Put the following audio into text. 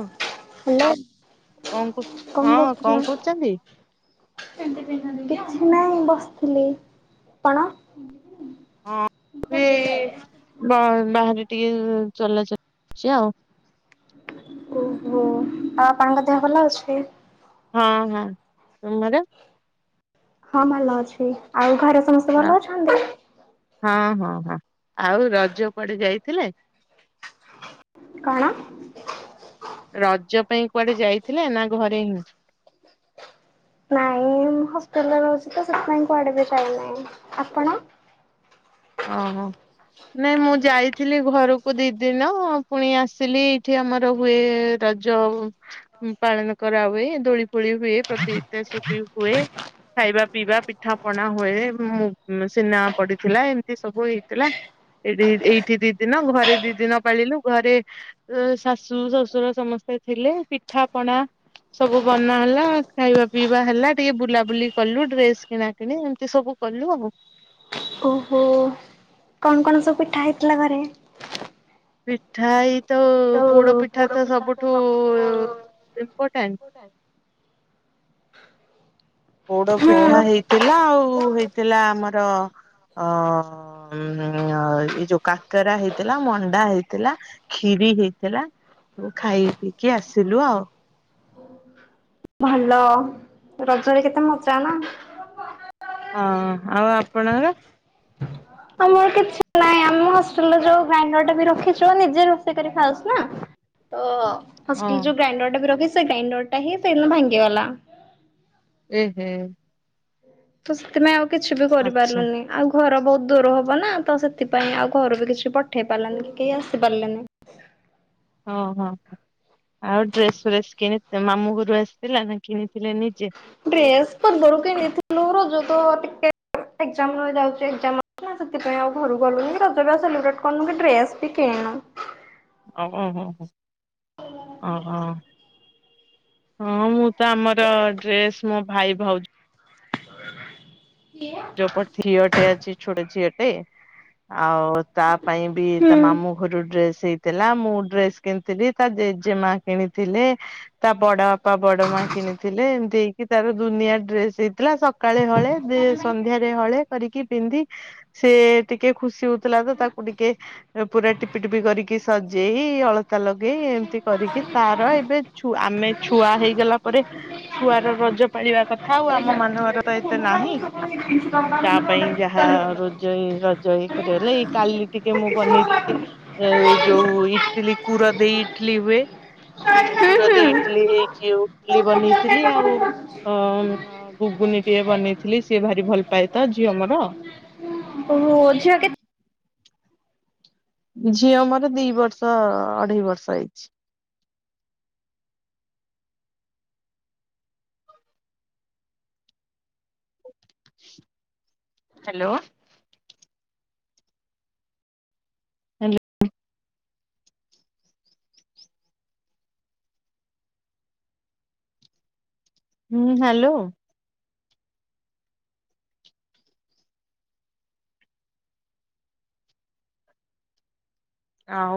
ହଁ, କରୁ କଣ ହଁ କଣ କରୁଛନ୍ତି? କରୁଥିଲ? କିଛି ନାହିଁ ବସିଥିଲି। କଣ? ହଁ ମୁଁ ବି ଏଇ [unintelligible] ବାହାରେ ଟିକେ ଚଲା ଚାଲିଚି ଆଉ। ଓହୋ। ଆଉ ଆପଣଙ୍କ ଦେହ ଭଲ ଅଛି? ହଁ ହଁ। ତମର? ହଁ ଭଲ ଅଛି। ଆଉ ଘରେ ସମସ୍ତେ ହଁ ଭଲ ଅଛନ୍ତି? ହଁ ହଁ ହଁ। ଆଉ ରଜ କୁଆଡ଼େ ଯାଇଥିଲେ? କଣ? ରଜ ପାଇଁ କୁଆଡେ ଯାଇଥିଲେ ନା ଘରେ ହିଁ? ନାଇଁ ମୁଁ ହଷ୍ଟେଲରେ ରହୁଚି ତ ସେଥିପାଇଁ କୁଆଡେ ବି ଯାଇନାହିଁ। ଆପଣ? ଅଁ ହଁ। ନାଇଁ ମୁଁ ଯାଇଥିଲି ଘରୁକୁ ଦି ଦିନ ପୁଣି ଆସିଲି ଏଇଠି ଆମର ହୁଏ ରଜ ପାଳନ କରାହୁଏ ଦୋଳି ଫୋଳି ହୁଏ ପ୍ରତି ଇତାସ ବି ହୁଏ। ଖାଇବା ପିଇବା ପିଠା ପଣା ହୁଏ ଉଁ ସିନେମା ପଡ଼ିଥିଲା ଏ ଏ ସବୁ ହେଇଥିଲା ଏଇଠି ଏଇଠି ଦି ଦିନ ଘରେ ଦି ଦିନ ପାଳିଲୁ ଘରେ ଉ ଶାଶୁ ଶଶୁର ସମସ୍ତେ ଥିଲେ ପିଠା ପଣା ସବୁ ବନା ହେଲା ଖାଇବା ପିଇବା ହେଲା ଟିକେ ବୁଲାବୁଲି କଲୁ ଡ୍ରେସ୍ କିଣା କିଣି ଏମିତି ସବୁ କଲୁ ଆଉ। ଓହୋ କଣ କଣ ସବୁ ପିଠା ହେଇଥିଲା ଘରେ? ପିଠା ଏ ତ ଯୋଉ ପୋଡ଼ପିଠା ତ ସବୁଠୁ ଇମ୍ପୋର୍ଟାଣ୍ଟ୍ ପୋଡ଼ପିଠା ପୋଡ ହେଇଥିଲା ଆଉ ହେଇଥିଲା ଆମର ଅ ଅଁ ଏଇ ଯୋଉ କାକରା ହେଇଥିଲା ମଣ୍ଡା ହେଇଥିଲା। କ୍ଷୀରି ହେଇଥିଲା ସବୁ ଖାଇ ପିଇକି ଆସିଲୁ ଆଉ। ଭଲ ରଜରେ କେତେ ମଜା ନାଁ? ହଁ ଆଉ ଆପଣଙ୍କର? ଆମର କିଛି ନାହିଁ ଆମ ହଷ୍ଟେଲ୍ ରେ ଯୋଉ ଗ୍ରାଇଣ୍ଡର୍ ଟା ବି ରଖିଛୁ ନିଜେ ରୋଷେଇ କରି ଖାଉଛୁ ନାଁ। ଓହୋ ହଁ ହଷ୍ଟେଲ୍ ଯୋଉ ଗ୍ରାଇଣ୍ଡର୍ ଟା ବି ରଖିଚି ସେ ଗ୍ରାଇଣ୍ଡର୍ ଟା ହିଁ ସେଇ ଦିନ ଭାଙ୍ଗିଗଲା। ଏହେ। ତ ସେଥିପାଇଁ ଆଉ କିଛି ବି ଆଚ୍ଛା କରିପାରିଲୁନି। ଆଉ ଘର ବହୁତ ଦୂର ହବ ନାଁ ତ ସେଥିପାଇଁ ଆଉ ଘରୁ ବି କିଛି ପଠେଇ ପାରିଲାନି କି କେହି ଆସିପାରିଲେନି। ହଁ ହଁ। ଆଉ ଡ୍ରେସ୍ ଫ୍ରେସ୍ କିଣି ମାମୁଁ ଘରୁ ଆସିଥିଲା ନାଁ କିଣିଥିଲେ ନିଜେ? ଡ୍ରେସ୍ ପୂର୍ବରୁ କିଣିଥିଲୁ ରାଜ ତ ଟିକେ ଏଗ୍ଜାମ ନୁ ଏ ଯାଉଚୁ ଯାଉଚେ ଏଗ୍ଜାମ ଅଛି ନା ସେଥିପାଇଁ ଆଉ ଘରୁ ଗଲୁନୁ କି ରଜ ବି ଆଉ ସେଲିବ୍ରେଟ୍ କରିନୁ କି ଡ୍ରେସ୍ ବି କିଣିନୁ। ଆଉ ଅହ ହ ଅହ ହଁ ମୁଁ ତ ଆମର ଡ୍ରେସ୍ ମୋ ଭାଇ ଭାଉ ଜ ପ ଠିଅଟେ ଅଛି ଛୋଟ ଝିଅଟେ ଆଉ ତା ପାଇଁ ବି ହୁଁ। ତା ମାମୁଁ ଘରୁ ଡ୍ରେସ୍ ହେଇଥିଲା ମୁଁ ଡ୍ରେସ୍ କିଣିଥିଲି ତା ଜେଜେମା କିଣିଥିଲେ। ତା ବଡ଼ ଆ ପା ବଡ଼ ମା କିଣିଥିଲେ ଏମିତି ହେଇକି ତାର ଦୁନିଆ ଡ୍ରେସ୍ ହେଇଥିଲା ସକାଳେ ହଳେ ଦେସ୍ ସନ୍ଧ୍ୟାରେ ହଳେ କରିକି ପିନ୍ଧି ସେ ଟିକେ ଖୁସି ହୋଉଥୁଲା ତ ତାକୁ ଟିକେ ରେ ପୁରା ଟିପି ଟିପି କରିକି ସଜେଇ ଅଳ ତା ଲଗେଇ ଏମତି କରିକି ତାର ଏବେ ଛୁ ଆମେ ଛୁଆ ହେଇଗଲା ପରେ ଛୁଆର ରଜ ପାଳିବା କଥା ଆଉ ଆମମାନଙ୍କର ତ ଏତେ ନାହିଁ। ଶୁଣିଛି ତ ମୁଁ ତା ପାଇଁ ଯାହା ରୋଜ ଇଁ ରଜ ଇ କରିବାଲାଗି କାଲି ଟିକେ ମୁଁ ବନେଇ ଇ ଏ ଯୋଉ ଇଟିଲି କୁର ଦେଇ ଇଟିଲି ହୁଏ। କିରୁ ହୁଁ କୁର ଦେଇ ହୁଁ। ଇଟଲି ହେଇକିଉ ଲି ବନେଇଥିଲି ଆଉ। ଅ ଉଁ ଅ ଗୁଗୁନି ଟିକେ ବନେଇଥିଲି ସିଏ ଭାରି ଭଲ ପାଏ ତ ଝିଅ ମୋର। ଓ ଝିଅ କେ ଝିଅ ମୋର ଦି ବର୍ଷ ଅଢ଼େଇ ବର୍ଷ ହେଇଛି। ହାଲୋ। ହୁଁ ହାଲୋ‌। ଆଉ